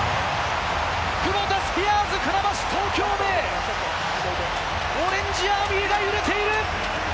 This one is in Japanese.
クボタスピアーズ船橋・東京ベイ、オレンジアーミーが揺れている！